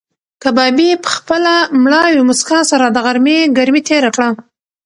کبابي په خپله مړاوې موسکا سره د غرمې ګرمي تېره کړه.